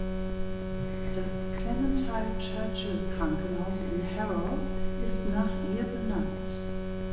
Das Clementine-Churchill-Krankenhaus in Harrow ist nach ihr benannt.